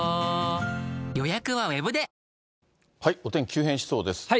お天気急変しそうです。